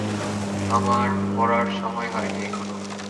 আমার মরার সময় হয়নি এখনও।